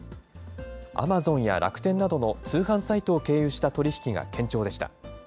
アマゾンや楽天などの通販サイトを経由した取り引きが堅調でした。